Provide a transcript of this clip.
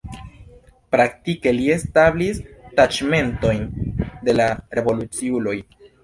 Praktike li establis taĉmentojn de la revoluciuloj.